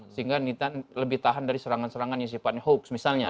sehingga nitan lebih tahan dari serangan serangan yang sifatnya hoax misalnya